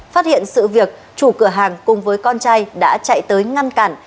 phát hiện sự việc chủ cửa hàng cùng với con trai đã chạy tới ngăn cản